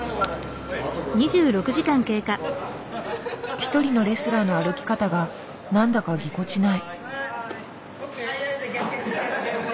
一人のレスラーの歩き方が何だかぎこちない。